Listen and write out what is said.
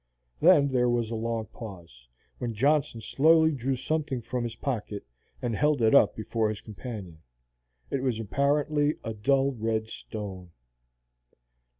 Then there was a long pause, when Johnson slowly drew something from his pocket, and held it up before his companion. It was apparently a dull red stone.